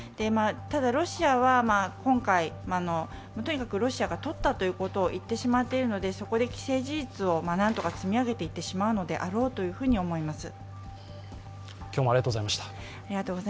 ただロシアは今回、とにかくロシアがとったということを言ってしまっているのでそこで既成事実をなんとか積み上げていってしまうのであろうと思います。